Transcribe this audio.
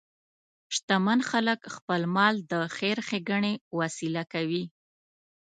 شتمن خلک خپل مال د خیر ښیګڼې وسیله کوي.